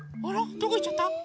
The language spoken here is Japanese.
どこいっちゃった？